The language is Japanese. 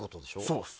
そうです。